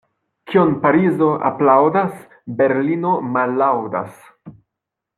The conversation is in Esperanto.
Kion Parizo aplaŭdas, Berlino mallaŭdas.